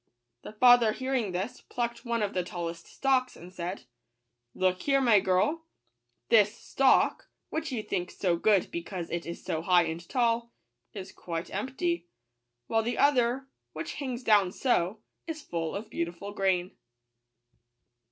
The father hearing this, plucked one of the tallest stalks, and said :" Look here, my girl : this stalk, which you think so good because it is so high and tall, is quite empty; while the other, which hangs down so, is full of beautiful grain."